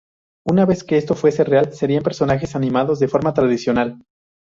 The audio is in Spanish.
Una vez que esto fuese real, serían personajes animados de forma tradicional.